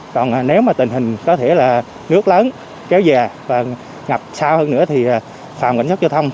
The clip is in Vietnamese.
còn nếu mà tình hình có thể là nước lớn kéo dài và ngập sâu hơn nữa thì phòng cảnh sát giao thông